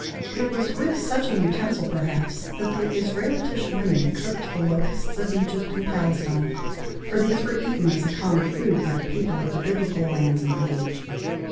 It was with such an utensil, perhaps, that the Israelitish women cooked the locusts of Egypt and Palestine, for these were eaten as a common food by the people of the biblical lands and age.